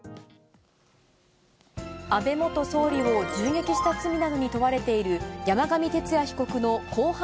安倍元総理を銃撃した罪などに問われている、山上徹也被告の公判